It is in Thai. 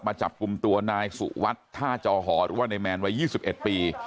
มาจับกลุ่มตัวนายสุวัฒน์ท่าจอหอว่าในแมนไว้๒๑ปี